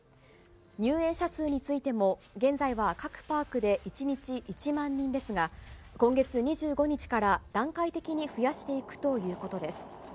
入園者数についても、現在は各パークで１日１万人ですが、今月２５日から段階的に増やしていくということです。